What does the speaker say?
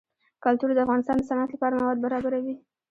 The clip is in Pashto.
کلتور د افغانستان د صنعت لپاره مواد برابروي.